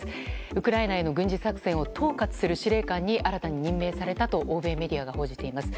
ウクライナへの軍事作戦を統括する司令官に新たに任命されたと欧米メディアが報じています。